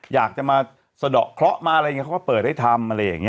อยากจะมาสะดอกเคลาะมาเฉพาะต้องเปิดให้ทำอะไรอย่างนี้